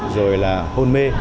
rồi là hôn mê